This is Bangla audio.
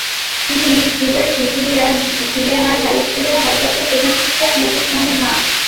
তিনি ঘিওরের হিজুলিয়া ভিএনআর হাইস্কুলের ভারপ্রাপ্ত প্রধান শিক্ষক মুকুল খানের মা।